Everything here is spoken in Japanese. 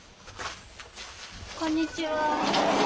こんにちは。